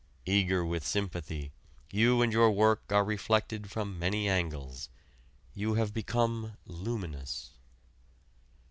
Eager with sympathy, you and your work are reflected from many angles. You have become luminous.